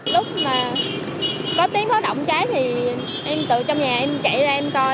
lúc mà có tiếng khó động cháy thì em tự trong nhà em chạy ra em coi